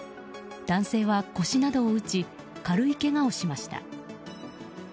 男性は腰などを打ち軽いけがをしました。